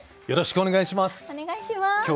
よろしくお願いします。